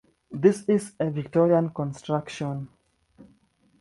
This is a Victorian construction.